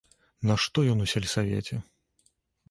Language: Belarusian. Нашто ён у сельсавеце!